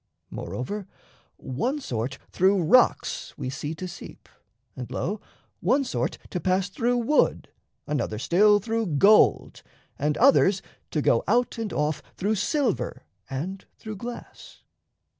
Moreover, One sort through rocks we see to seep, and, lo, One sort to pass through wood, another still Through gold, and others to go out and off Through silver and through glass.